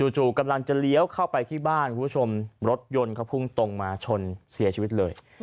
จู่กำลังจะเลี้ยวเข้าไปที่บ้านคุณผู้ชมรถยนต์เขาพุ่งตรงมาชนเสียชีวิตเลย